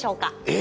え。